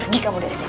pergi kamu dari sini